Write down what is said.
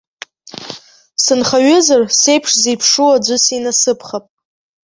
Сынхаҩызар, сеиԥш зеиԥшу аӡәы синасыԥхап.